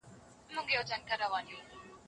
د ژوند هره مرحله د عبرت درس لري.